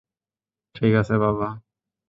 ঠিক আছে, বাবা।